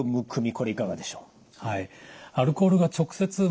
これいかがでしょう？